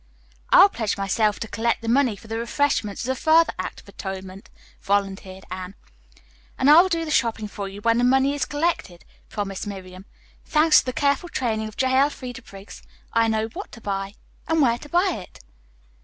"I will pledge myself to collect the money for the refreshments as a further act of atonement," volunteered Anne. "And I will do the shopping for you when the money is collected," promised Miriam. "Thanks to the careful training of J. Elfreda Briggs, I know what to buy and where to buy it."